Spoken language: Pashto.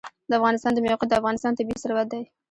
د افغانستان د موقعیت د افغانستان طبعي ثروت دی.